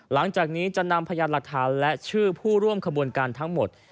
หลังจากนี้จะนำพยานหลักฐานและชื่อผู้ร่วมขบวนการทั้งหมด